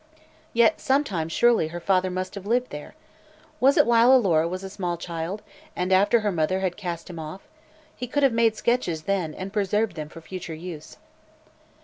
Yet, sometime, surely, her father must have lived there. Was it while Alora was a small child, and after her mother had cast him off? He could have made sketches then, and preserved them for future use.